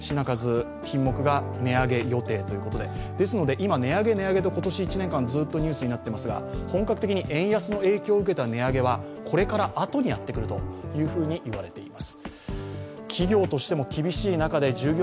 今、値上げ、値上げと今年１年ずっとニュースなっていますが、本格的に円安の影響を受けた値上げは、これからあとにやってくるといわれています。